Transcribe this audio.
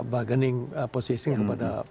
bargaining position kepada